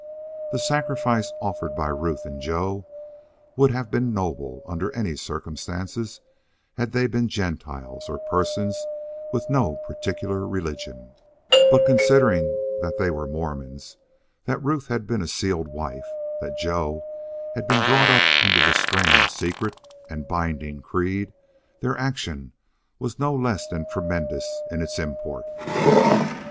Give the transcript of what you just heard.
The sacrifice offered by Ruth and Joe would have been noble under any circumstances had they been Gentiles or persons with no particular religion, but, considering that they were Mormons, that Ruth had been a sealed wife, that Joe had been brought up under the strange, secret, and binding creed, their action was no less than tremendous in its import.